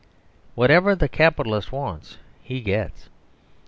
Whatever the Capitalist wants he gets.